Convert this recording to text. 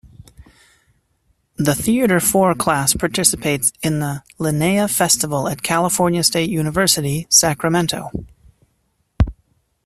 The Theatre Four class participates in the Lenaea Festival at California State University, Sacramento.